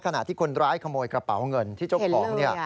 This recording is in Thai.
ขณะที่คนร้ายขโมยกระเป๋าเงินที่เจ้าของเนี่ย